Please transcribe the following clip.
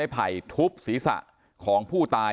ปุ๊บศีรษะของผู้ตาย